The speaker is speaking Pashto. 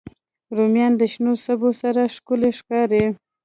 رومیان د شنو سبو سره ښکلي ښکاري